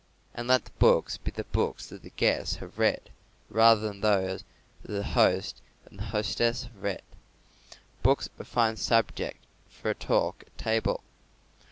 And let the books be the books that the guests have read rather than those that the host and the hostess have read. Books are a fine subject for a talk at table.